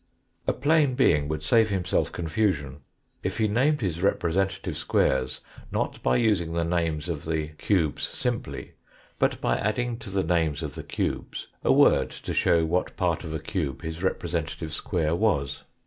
A plane being would save himself confusion if he named his representative squares, not by using the names of the cubes simply, but by adding to the names of the cubes a word to show what part of a cube his representative square was.